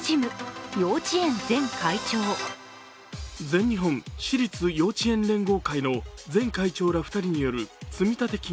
全日本私立幼稚園連合会の前会長ら２人による積立金